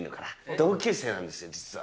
同級生なんですよ、実は。